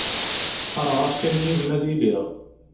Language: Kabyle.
Qqareɣ-as kan yid-m ad iliɣ.